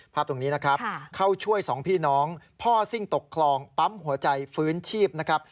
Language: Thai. ภาพตรงนี้นะครับเข้าช่วยสองพี่น้องพ่อซิ่งตกคลองปั๊มหัวใจฟื้นชีพนะครับ